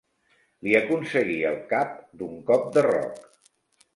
Li aconseguí el cap d'un cop de roc.